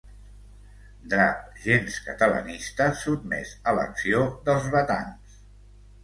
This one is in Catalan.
Drap gens catalanista sotmès a l'acció dels batans.